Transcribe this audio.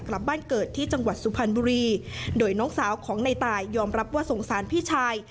กลับบ้านเกิดที่จังหวัดสุพรรณบุรีโดยน้องสาวของในตายยอมรับว่าสงสารพี่ชาย